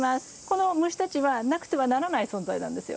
この虫たちはなくてはならない存在なんですよ。